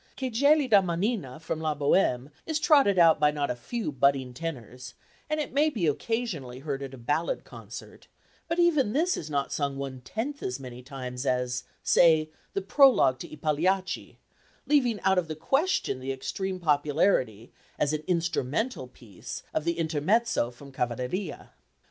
"Che gelida manina" from La Bohème is trotted out by not a few budding tenors, and it may be occasionally heard at a ballad concert, but even this is not sung one tenth as many times as, say, the prologue to I Pagliacci, leaving out of the question the extreme popularity, as an instrumental piece, of the Intermezzo from Cavalleria.